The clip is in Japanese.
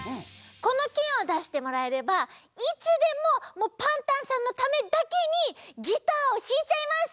このけんをだしてもらえればいつでもパンタンさんのためだけにギターをひいちゃいます。